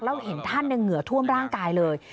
แล้วเห็นท่านเหงื่อท่วมร่างกายเลย